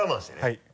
はい。